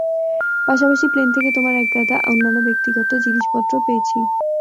পাশাপাশি প্লেন থেকে তোমার একগাদা অন্যান্য ব্যক্তিগত জিনিসপত্রও পেয়েছি।